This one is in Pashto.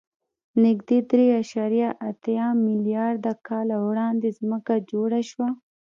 نږدې درې اعشاریه اته میلیارده کاله وړاندې ځمکه جوړه شوه.